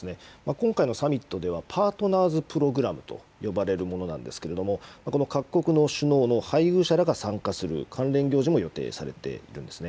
今回のサミットではパートナーズプログラムと呼ばれるものなんですけれども、この各国の首脳の配偶者らが参加する関連行事も予定されているんですね。